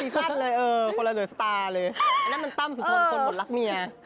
คนละสตาร์เลยอันนั้นมันตั้มสุทธนคนหมดรักเมีย